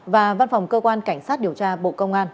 và văn phòng cơ quan cảnh sát điều tra bộ công an